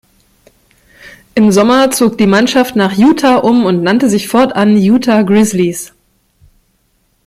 Im Sommer zog die Mannschaft nach Utah um und nannte sich fortan Utah Grizzlies.